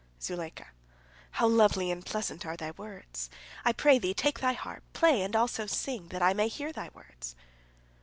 Zuleika: "How lovely and pleasant are thy words! I pray thee, take thy harp, play and also sing, that I may hear thy words."